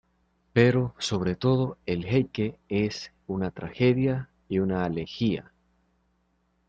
Pero, sobre todo, el Heike es una tragedia y una elegía.